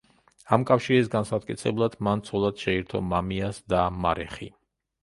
ამ კავშირის განსამტკიცებლად მან ცოლად შეირთო მამიას და მარეხი.